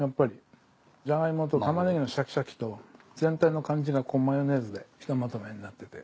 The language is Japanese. ジャガイモとタマネギのシャキシャキと全体の感じがこうマヨネーズでひとまとめになってて。